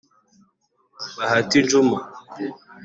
Bahati Juma